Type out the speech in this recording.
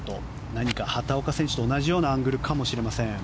何か畑岡選手と同じようなアングルかもしれません。